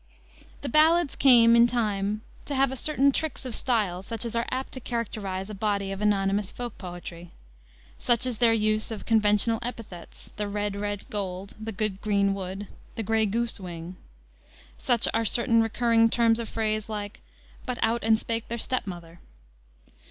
The ballads came, in time, to have certain tricks of style, such as are apt to characterize a body of anonymous folk poetry. Such is their use of conventional epithets; "the red, red gold," "the good, green wood," "the gray goose wing." Such are certain recurring terms of phrase like, "But out and spak their stepmother."